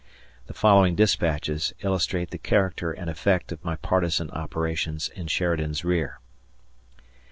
The following dispatches illustrate the character and effect of my partisan operations in Sheridan's rear.